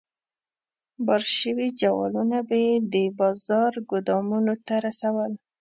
بار شوي جوالونه به یې د بازار ګودامونو ته رسول.